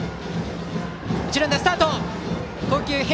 一塁ランナー、スタート。